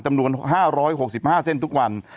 จำนวน๕๖๕เส้นทุกวัน